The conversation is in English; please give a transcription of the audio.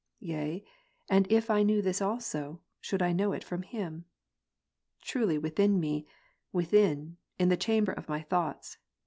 Yea, and if I knew this also, should I know it from him ? Truly within me, within, in the chamber of my thoughts.